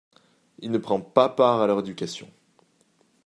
Il ne prend pas part à leur éducation.